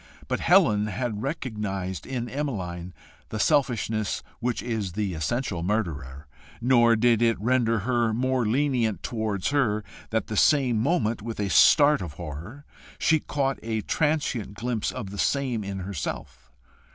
But Helen had recognised in Emmeline the selfishness which is the essential murderer, nor did it render her more lenient towards her that the same moment, with a start of horror, she caught a transient glimpse of the same in herself.